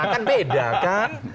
kan beda kan